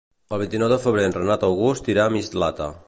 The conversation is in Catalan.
El vint-i-nou de febrer en Renat August irà a Mislata.